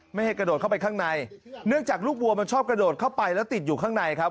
ไม่ให้กระโดดเข้าไปข้างในเนื่องจากลูกวัวมันชอบกระโดดเข้าไปแล้วติดอยู่ข้างในครับ